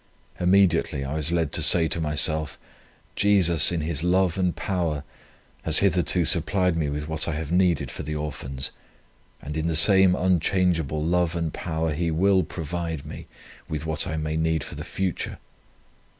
Immediately I was led to say to myself, Jesus in His love and power has hitherto supplied me with what I have needed for the Orphans, and in the same unchangeable love and power He will provide me with what I may need for the future.